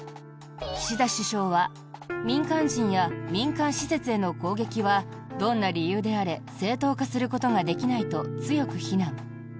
岸田首相は民間人や民間施設への攻撃はどんな理由であれ正当化することができないと強く非難。